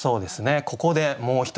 ここでもう一つ。